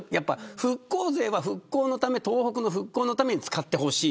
復興税は東北の復興のために使ってほしい。